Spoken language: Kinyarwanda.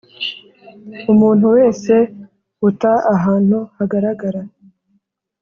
Umuntu wese uta ahantu hagaragara